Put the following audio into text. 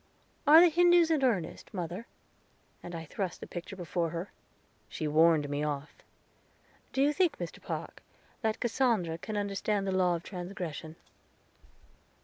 "Are the Hindoos in earnest, mother?" and I thrust the picture before her. She warned me off. "Do you think, Mr. Park, that Cassandra can understand the law of transgression?"